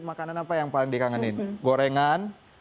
makanan apa yang paling dikangenin gorengan